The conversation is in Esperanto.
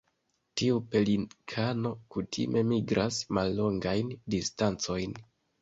Tiu pelikano kutime migras mallongajn distancojn.